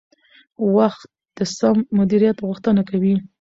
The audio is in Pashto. وخت د سم مدیریت غوښتنه کوي